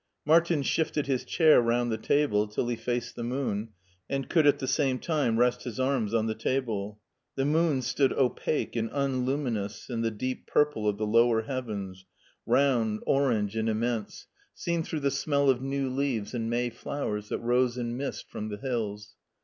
Martin shifted his chair rotmd the table till he faced the moon and could at the same time rest his arms on the table. The moon stood opaque and unluminous in the deep purple of the lower heavens, round, orange. V 30 MARTIN SCHULER and immense, seen through the smell of new leaves and May flowers that rose in mist from the hills.